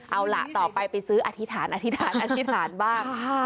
เอาล่ะต่อไปอธิษฐานอธิษฐานบ้างนะคะ